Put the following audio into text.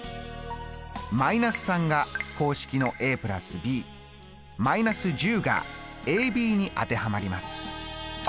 −３が公式の＋ｂ−１０がｂに当てはまります。